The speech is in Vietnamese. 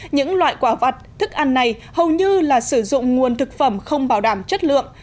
những loại quả vặt thức ăn này hầu như là sử dụng nguồn thực phẩm không bảo đảm chất lượng